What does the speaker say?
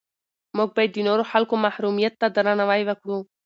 موږ باید د نورو خلکو محرمیت ته درناوی وکړو.